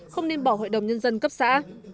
không nên bỏ hội đồng nhân dân cấp xã